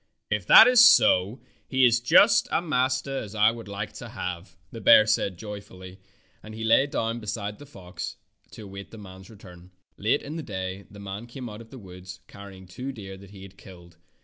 ''If that is so he is just such a master as I would like to have," the bear said joyfully, and he lay down beside the fox to await the man's return. Late in the day the man came out of the woods carrying two deer that he had killed.